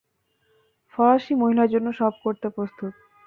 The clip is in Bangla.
ফরাসি মহিলার জন্য সব করতে প্রস্তুত।